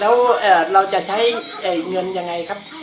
แล้วเราจะใช้เงินยังไงครับ